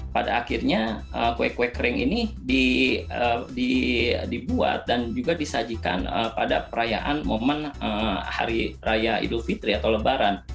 pada akhirnya kue kue kering ini dibuat dan juga disajikan pada perayaan momen hari raya idul fitri atau lebaran